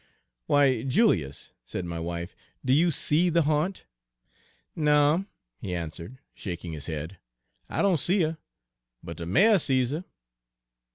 "Why, Julius!" said my wife, "do you see the haunt?" "No'm," he answered, shaking his Page 203 head, "I doan see 'er, but de mare sees 'er."